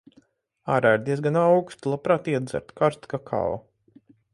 Ārā ir diezgan auksti. Labprāt iedzertu karstu kakao.